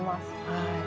はい。